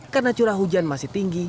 karena curah hujan masih tinggi